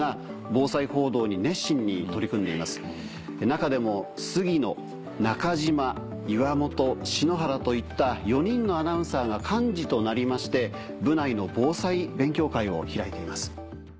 中でも杉野中島岩本篠原といった４人のアナウンサーが幹事となりまして部内の防災勉強会を開いています。